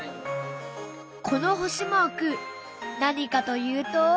この星マーク何かというと。